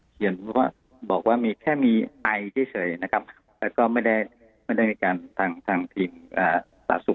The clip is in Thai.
บอกว่าบอกว่ามีแค่มีไอเฉยนะครับแล้วก็ไม่ได้มีการทางทีมสาธารณสุข